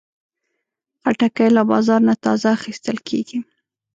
خټکی له بازار نه تازه اخیستل کېږي.